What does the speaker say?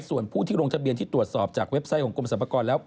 ส่วนผู้ที่ลงทะเบียนที่ตรวจสอบจากเว็บไซต์ของกรมสรรพากรแล้ว